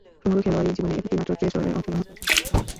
সমগ্র খেলোয়াড়ী জীবনে একটিমাত্র টেস্টে অংশগ্রহণ করেছেন সাইমন ব্রাউন।